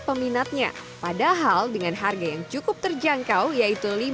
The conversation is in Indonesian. peminatnya padahal dengan harga yang cukup terjangkau yaitu